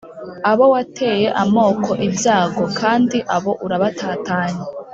abo Wateye amoko ibyago kandi abo urabatatanya